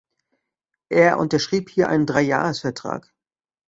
Er unterschrieb hier einen Dreijahresvertrag.